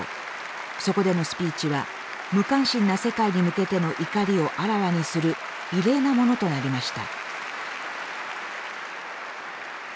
そこでのスピーチは無関心な世界に向けての怒りをあらわにする異例なものとなりました。